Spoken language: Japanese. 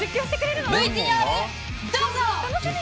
ＶＴＲ、どうぞ。